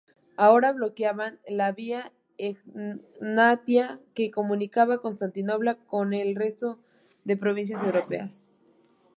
Ahora bloqueaban la Vía Egnatia que comunicaba Constantinopla con el resto de provincias europeas.